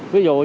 ví dụ như là